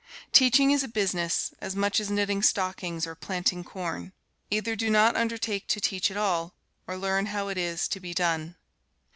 Teaching is a business, as much as knitting stockings, or planting corn. Either do not undertake to teach at all, or learn how it is to be done.